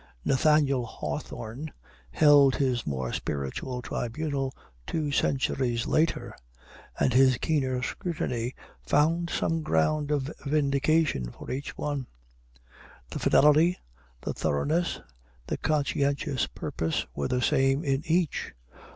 Nathaniel Hawthorne held his more spiritual tribunal two centuries later, and his keener scrutiny found some ground of vindication for each one. The fidelity, the thoroughness, the conscientious purpose, were the same in each.